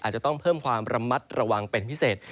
อาจจะต้องเพิ่มความระมัดระวังเป็นพิเศษ